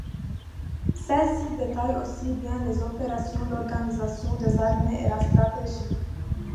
Celles-ci détaillent aussi bien les opérations, l'organisation des armées et la stratégie.